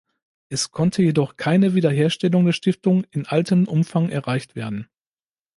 Es konnte jedoch keine Wiederherstellung der Stiftung in altem Umfang erreicht werden.